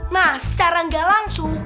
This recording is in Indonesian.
nah secara nggak langsung